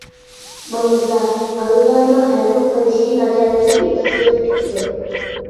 بولمىسا، بالىلارنىڭ ھەزىم قىلىشى ناچارلىشىپ، ئىچى سۈرۈپ كېتىدۇ.